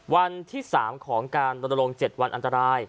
วันที่๓ของการลง๗วันอันตราย